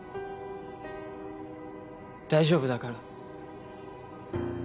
大丈夫だから。